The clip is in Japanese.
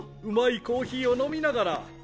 うまいコーヒーを飲みながら。